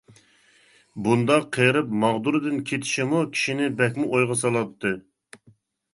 بۇنداق قېرىپ ماغدۇرىدىن كېتىشىممۇ كىشىنى بەكمۇ ئويغا سالاتتى.